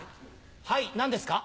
はい何ですか？